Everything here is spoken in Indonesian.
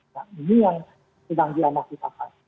nah ini yang sedang dianasikan